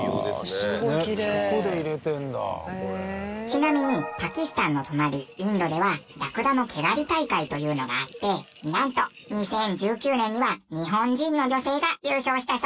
ちなみにパキスタンの隣インドではラクダの毛刈り大会というのがあってなんと２０１９年には日本人の女性が優勝したそうです！